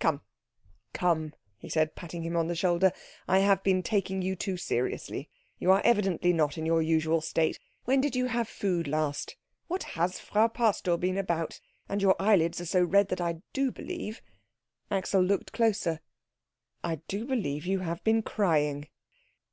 Come, come," he said, patting him on the shoulder, "I have been taking you too seriously. You are evidently not in your usual state. When did you have food last? What has Frau Pastor been about? And your eyelids are so red that I do believe " Axel looked closer "I do believe you have been crying."